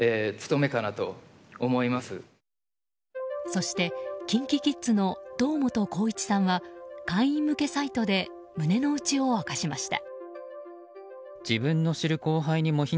そしてＫｉｎＫｉＫｉｄｓの堂本光一さんは会員向けサイトで胸の内を明かしました。